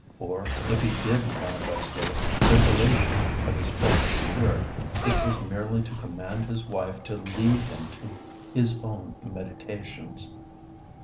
Or if he did manifest a scintillation of his former spirit, it was merely to command his wife to leave him to his own meditations.